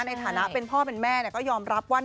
ในฐานะเป็นพ่อเป็นแม่ก็ยอมรับว่า